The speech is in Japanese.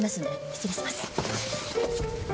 失礼します。